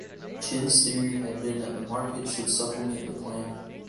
Chen's theory had been that the market should supplement the plan.